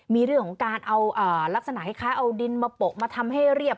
มีเรื่องของการเอาลักษณะคล้ายเอาดินมาโปะมาทำให้เรียบ